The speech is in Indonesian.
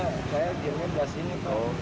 karena saya diamnya di sini tau